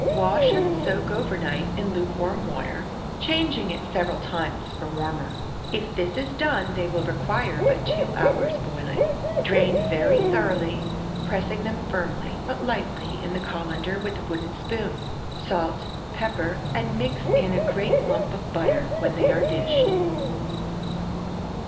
Wash and soak over night in lukewarm water, changing it several times for warmer. If this is done they will require but two hours' boiling. Drain very thoroughly, pressing them firmly, but lightly, in the cullender with a wooden spoon; salt, pepper and mix in a great lump of butter when they are dished.